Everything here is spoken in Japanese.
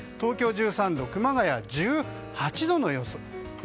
東京１３度、熊谷１８度の予想